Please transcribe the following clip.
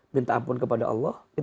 minta ampun kepada allah